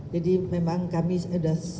jadi memang kami sudah seperti biasa